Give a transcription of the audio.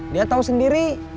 dia tahu sendiri